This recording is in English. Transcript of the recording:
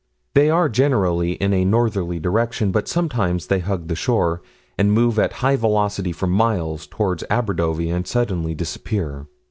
They are generally in a northerly direction, but sometimes they hug the shore, and move at high velocity for miles toward Aberdovey, and suddenly disappear."